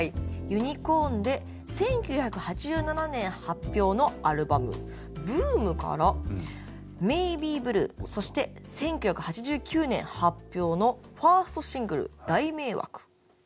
ＵＮＩＣＯＲＮで１９８７年発表のアルバム「ＢＯＯＭ」から「ＭａｙｂｅＢｌｕｅ」そして１９８９年発表のファーストシングル「大迷惑」。